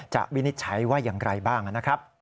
วินิจฉัยว่าอย่างไรบ้างนะครับ